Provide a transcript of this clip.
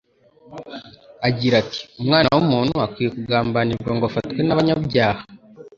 agira ati: Umwana w'umuntu akwiriye kugambanirwa ngo afatwe n'abanyabyaha;